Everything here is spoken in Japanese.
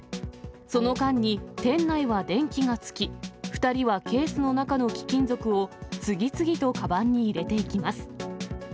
その間に、店内は電気がつき、２人はケースの中の貴金属を次々とかばんに入れていきます。